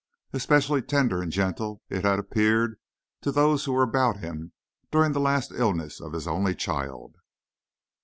Especially tender and gentle it had appeared to those who were about him during the last illness of his only child.